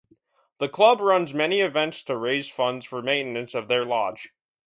The club runs many events to raise funds for maintenance of their lodge.